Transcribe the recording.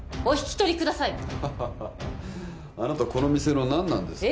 お引き取りください